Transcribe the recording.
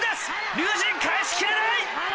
龍心返しきれない！